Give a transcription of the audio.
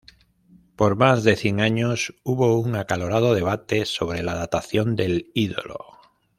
Por más de cien años hubo un acalorado debate sobre la datación del ídolo.